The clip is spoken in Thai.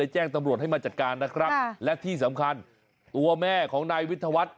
แจ้งตำรวจให้มาจัดการนะครับและที่สำคัญตัวแม่ของนายวิทยาวัฒน์